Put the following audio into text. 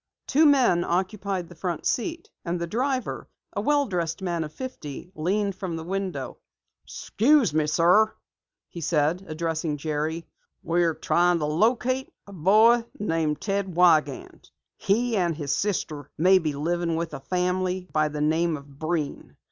Two men occupied the front seat, and the driver, a well dressed man of fifty, leaned from the window. "Excuse me, sir," he said, addressing Jerry, "we're trying to locate a boy named Ted Wiegand. He and his sister may be living with a family by the name of Breen.